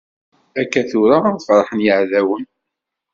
Akka tura ad ferḥen yeɛdawen.